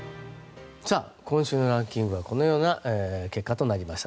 今週のランキングはこのような結果となりました。